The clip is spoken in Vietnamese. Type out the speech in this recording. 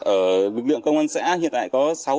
ở bệnh viện công an xã hiện tại có sáu đất